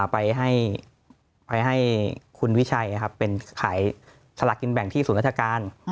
ไปให้คุณวิชัยเป็นขายสลากกินแบ่งที่ศูนย์ราชการ